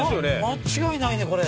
間違いないねこれ。